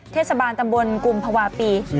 เทศบาลตำบลกุมภาวะปี